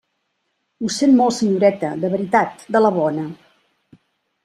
Ho sent molt, senyoreta; de veritat de la bona.